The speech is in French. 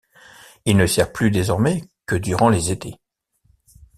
Il ne sert plus désormais que durant les étés.